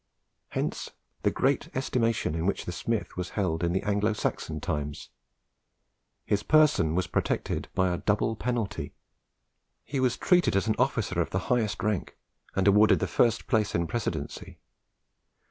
Hence the great estimation in which the smith was held in the Anglo Saxon times. His person was protected by a double penalty. He was treated as an officer of the highest rank, and awarded the first place in precedency.